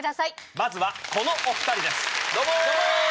まずはこのお２人です。